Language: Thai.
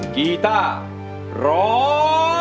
กีต้าร้อง